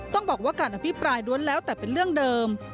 ต้องบอกว่าการอภิปรายล้วนแล้วแต่เป็นเรื่องเดิม